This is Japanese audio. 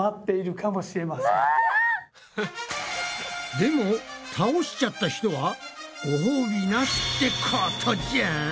でも倒しちゃった人はごほうびなしってことじゃん！？